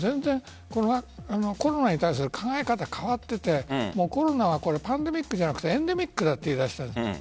コロナに対する考え方が変わっていてコロナはパンデミックじゃなくてエンデミックと言い出したんです。